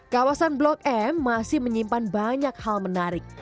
kawasan blok m masih menyimpan banyak hal menarik